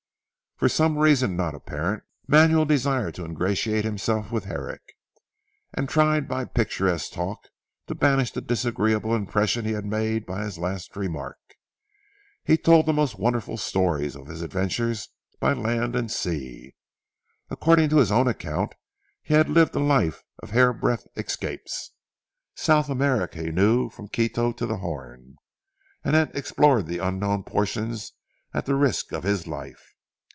For some reason not apparent, Manuel desired to ingratiate himself with Herrick, and tried by picturesque talk to banish the disagreeable impression he had made by his last remark. He told the most wonderful stories of his adventures by land and sea. According to his own account he had lived a life of hair breadth escapes. South America he knew from Quito to the Horn, and had explored the unknown portions at the risk of his life.